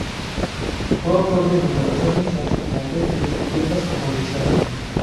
Fue autor de numerosas misas, motetes y otras composiciones.